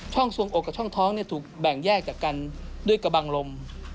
สวงอกกับช่องท้องถูกแบ่งแยกจากกันด้วยกระบังลม